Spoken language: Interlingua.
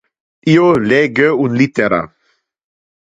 Io lege un littera.